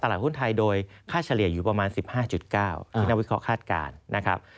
ตลาดหุ้นไทยโดยค่าเฉลี่ยอยู่ประมาณ๑๕๙คือหน้าวิเคราะห์คาดการณ์นะครับ